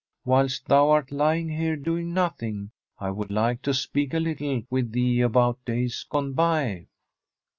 'Whilst thou art lying here doing nothing, I would like to speak a little with thee about days gone by.'